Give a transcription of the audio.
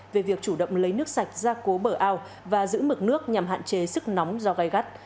về việc chủ động lấy nước sạch ra cố bờ ao và giữ mực nước nhằm hạn chế sức nóng do gai gắt